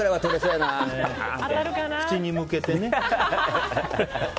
口に向けてね。